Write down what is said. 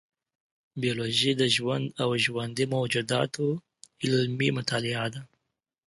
بیولوژي د ژوند او ژوندي موجوداتو علمي مطالعه ده